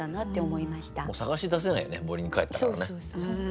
もう捜し出せないよね森に帰ったからね。